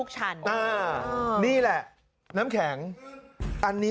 ใช่